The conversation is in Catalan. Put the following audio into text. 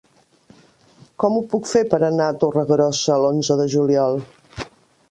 Com ho puc fer per anar a Torregrossa l'onze de juliol?